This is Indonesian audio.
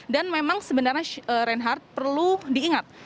dan memang sebenarnya reinhardt perlu diingat